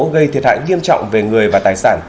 gây thiệt hại nghiêm trọng về người và tài sản